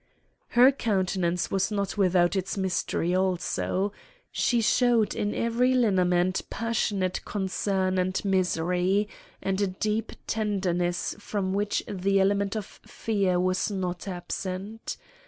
Her countenance was not without its mystery also. She showed in every lineament passionate concern and misery, and a deep tenderness from which the element of fear was not absent.